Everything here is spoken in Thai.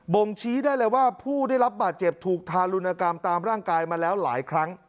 ่งชี้ได้เลยว่าผู้ได้รับบาดเจ็บถูกทารุณกรรมตามร่างกายมาแล้วหลายครั้ง